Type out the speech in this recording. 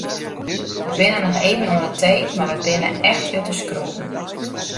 We binne noch even oan de tee mar we binne echt út de skroeven.